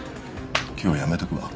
今日はやめとくわ。